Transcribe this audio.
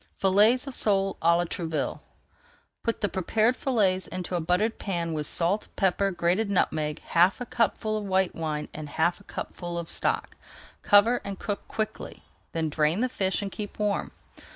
FILLETS OF SOLE À LA TROUVILLE Put the prepared fillets into a buttered pan with salt, pepper, grated nutmeg, half a cupful of white wine, and half a cupful of stock. Cover and cook quickly, then drain the fish and keep warm.